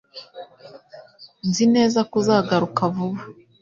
Nzi neza ko uzagaruka vuba